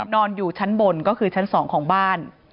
นอนอยู่ชั้นบนก็คือชั้น๒ของบ้าน